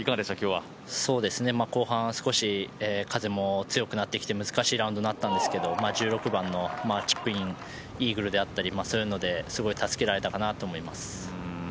後半少し、風も強くなってきて難しいラウンドになってきたんですけど、１６番のチップインイーグルであったりそういうのですごい助けられたかなと思います。